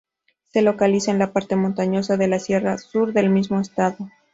Se localiza en la parte montañosa de la sierra sur del mismo Estado.